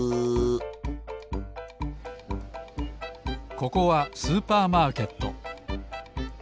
ここはスーパーマーケット。